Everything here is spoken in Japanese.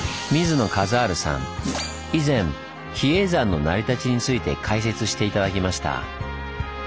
以前比叡山の成り立ちについて解説して頂きました。